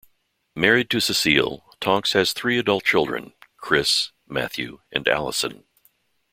Married to Cecile, Tonks has three adult children, Chris, Matthew, and Alison.